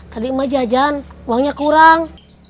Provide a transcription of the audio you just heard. tadi emak jajan uangnya kurang